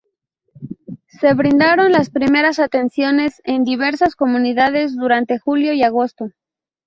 Se brindaron las primeras atenciones en diversas comunidades durante julio y agosto.